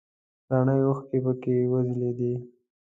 رڼې اوښکې پکې وځلیدې.